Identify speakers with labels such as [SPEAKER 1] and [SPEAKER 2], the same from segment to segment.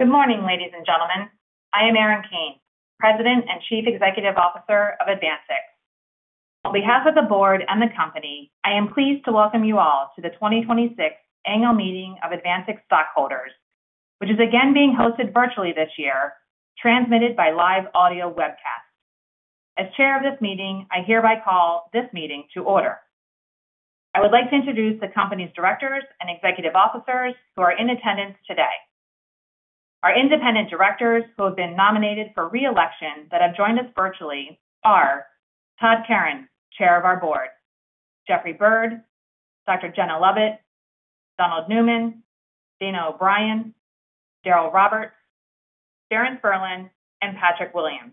[SPEAKER 1] Good morning, ladies and gentlemen. I am Erin Kane, President and Chief Executive Officer of AdvanSix. On behalf of the Board and the company, I am pleased to welcome you all to the 2026 Annual Meeting of AdvanSix stockholders, which is again being hosted virtually this year, transmitted by live audio webcast. As chair of this meeting, I hereby call this meeting to order. I would like to introduce the company's directors and executive officers who are in attendance today. Our independent directors who have been nominated for re-election that have joined us virtually are Todd Karran, Chair of our Board, Jeffrey Bird, Dr. Gena Lovett, Donald Newman, Dana O'Brien, Daryl Roberts, Sharon Spurlin, and Patrick Williams.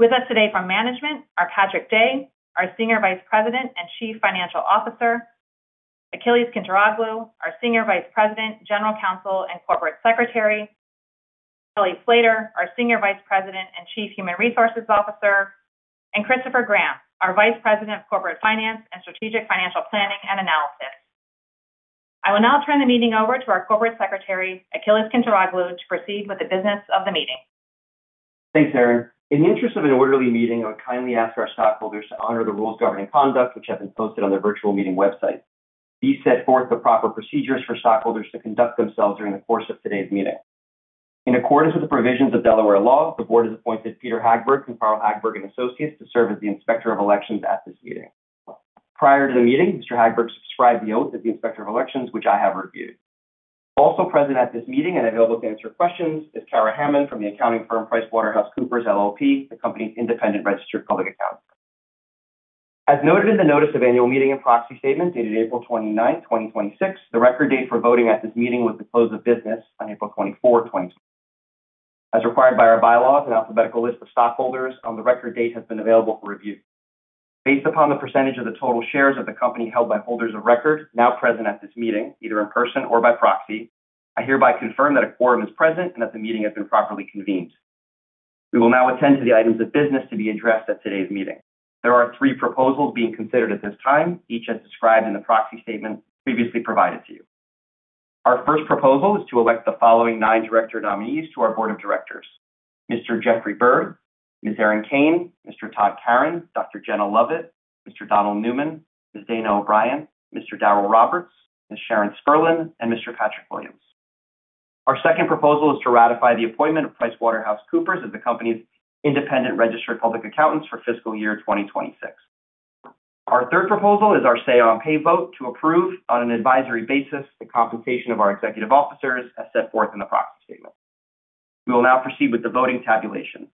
[SPEAKER 1] With us today from management are Patrick Day, our Senior Vice President and Chief Financial Officer, Achilles Kintiroglou, our Senior Vice President, General Counsel, and Corporate Secretary, Kelly Slieter, our Senior Vice President and Chief Human Resources Officer, and Christopher Gramm, our Vice President of Corporate Finance and Strategic Financial Planning and Analysis. I will now turn the meeting over to our Corporate Secretary, Achilles Kintiroglou, to proceed with the business of the meeting.
[SPEAKER 2] In the interest of an orderly meeting, I would kindly ask our stockholders to honor the rules governing conduct, which have been posted on the virtual meeting website. These set forth the proper procedures for stockholders to conduct themselves during the course of today's meeting. In accordance with the provisions of Delaware law, the Board has appointed Peter Hagberg from Carl Hagberg and Associates to serve as the Inspector of Elections at this meeting. Prior to the meeting, Mr. Hagberg subscribed the oath as the Inspector of Elections, which I have reviewed. Also present at this meeting and available to answer questions is Kara Hammond from the accounting firm PricewaterhouseCoopers LLP, the company's independent registered public accountant. As noted in the Notice of Annual Meeting and Proxy Statement dated April 29, 2026, the record date for voting at this meeting was the close of business on April 24, 2026. As required by our bylaws, an alphabetical list of stockholders on the record date has been available for review. Based upon the percentage of the total shares of the company held by holders of record now present at this meeting, either in person or by proxy, I hereby confirm that a quorum is present and that the meeting has been properly convened. We will now attend to the items of business to be addressed at today's meeting. There are three proposals being considered at this time, each as described in the proxy statement previously provided to you. Our first proposal is to elect the following nine director nominees to our board of directors: Mr. Jeffrey Bird, Ms. Erin Kane, Mr. Todd Karran, Dr. Gena Lovett, Mr. Donald Newman, Ms. Dana O'Brien, Mr. Daryl Roberts, Ms. Sharon Spurlin, and Mr. Patrick Williams. Our second proposal is to ratify the appointment of PricewaterhouseCoopers as the company's independent registered public accountants for fiscal year 2026. Our third proposal is our say on pay vote to approve on an advisory basis the compensation of our executive officers as set forth in the proxy statement. We will now proceed with the voting tabulation.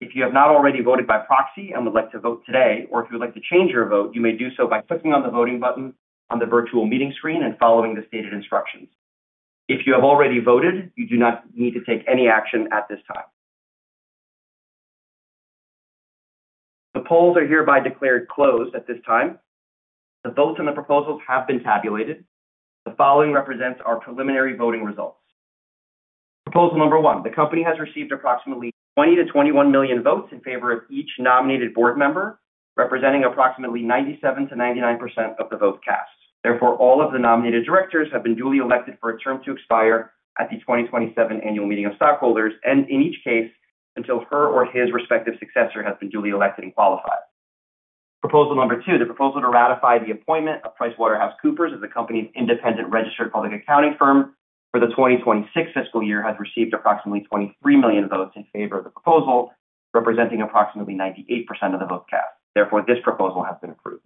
[SPEAKER 2] If you have not already voted by proxy and would like to vote today or if you would like to change your vote, you may do so by clicking on the voting button on the virtual meeting screen and following the stated instructions. If you have already voted, you do not need to take any action at this time. The polls are hereby declared closed at this time. The votes on the proposals have been tabulated. The following represents our preliminary voting results. Proposal number one, the company has received approximately 20 million-21 million votes in favor of each nominated board member, representing approximately 97%-99% of the vote cast. Therefore, all of the nominated directors have been duly elected for a term to expire at the 2027 annual meeting of stockholders and, in each case, until her or his respective successor has been duly elected and qualified. Proposal number two, the proposal to ratify the appointment of PricewaterhouseCoopers as the company's independent registered public accounting firm for the 2026 fiscal year has received approximately 23 million votes in favor of the proposal, representing approximately 98% of the vote cast. Therefore, this proposal has been approved.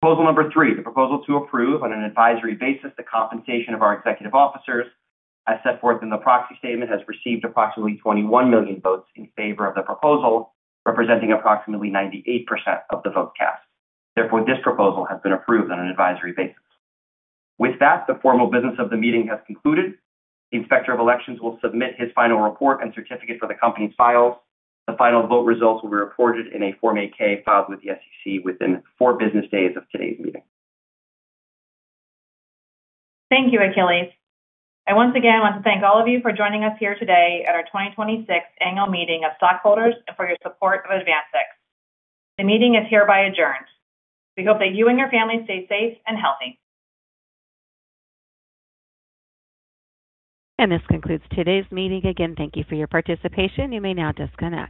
[SPEAKER 2] Proposal number three, the proposal to approve on an advisory basis the compensation of our executive officers as set forth in the proxy statement, has received approximately 21 million votes in favor of the proposal, representing approximately 98% of the vote cast. Therefore, this proposal has been approved on an advisory basis. With that, the formal business of the meeting has concluded. The Inspector of Elections will submit his final report and certificate for the company's files. The final vote results will be reported in a Form 8-K filed with the SEC within four business days of today's meeting.
[SPEAKER 1] Thank you, Achilles. Once again, I want to thank all of you for joining us here today at our 2026 Annual Meeting of Stockholders and for your support of AdvanSix. The meeting is hereby adjourned. We hope that you and your family stay safe and healthy.
[SPEAKER 3] This concludes today's meeting. Again, thank you for your participation. You may now disconnect.